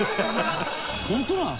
本当なの？